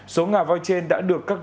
số ngà voi trên đã được các địa chỉ